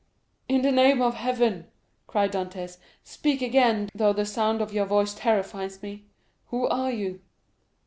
"In the name of Heaven," cried Dantès, "speak again, though the sound of your voice terrifies me. Who are you?"